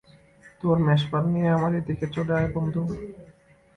তোর মেষ পাল নিয়ে আমার এদিকে চলে আয়, বন্ধু।